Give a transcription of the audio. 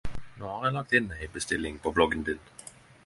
No har eg lagt inn ein bestilling på bloggen din.